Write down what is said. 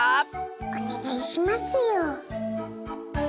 おねがいしますよ。